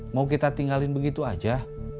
mau kita tinggalin begitu aja